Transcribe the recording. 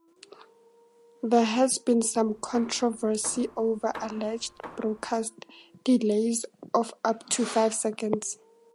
There has been some controversy over alleged broadcast delays of up to five seconds.